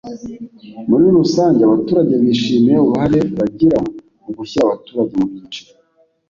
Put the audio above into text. Muri rusange abaturage bishimiye uruhare bagira mu gushyira abaturage mu byiciro